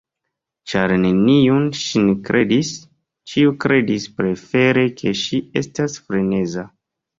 Ĉar neniu ŝin kredis, ĉiu kredis prefere ke ŝi estas freneza.